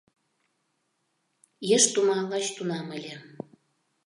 Еш тума лач тунам ыле.